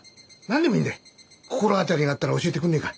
何でもいいんだ心当たりがあったら教えてくんねえか。